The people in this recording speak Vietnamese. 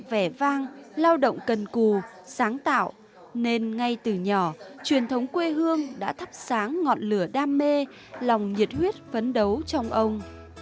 vẻ vang lao động cần cù sáng tạo nên ngay từ nhỏ truyền thống quê hương đã thắp sáng ngọn lửa đam mê lòng nhiệt huyết phấn đấu trong ông